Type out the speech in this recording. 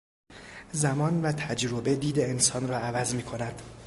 زمان و تجربه دید انسان را عوض میکند.